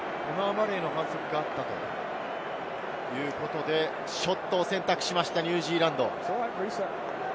マレーの反則があったということで、ショットを選択しましたニュージーランド。